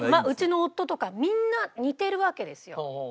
うちの夫とかみんな似てるわけですよ。